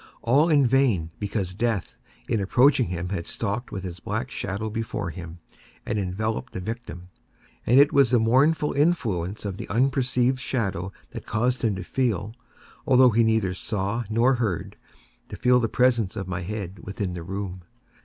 All in vain; because Death, in approaching him had stalked with his black shadow before him, and enveloped the victim. And it was the mournful influence of the unperceived shadow that caused him to feel—although he neither saw nor heard—to feel the presence of my head within the room.